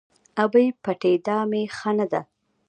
– ابۍ! پټېدا مې ښه نه ده.